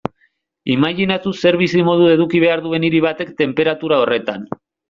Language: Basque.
Imajinatu zer bizimodu eduki behar duen hiri batek tenperatura horretan.